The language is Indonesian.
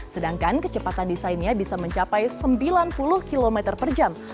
sedangkan kecepatan desainnya bisa mencapai sembilan puluh km per jam